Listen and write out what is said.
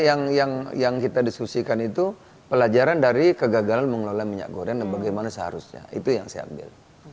nah yang kita diskusikan itu pelajaran dari kegagalan mengelola minyak goreng dan bagaimana seharusnya itu yang saya ambil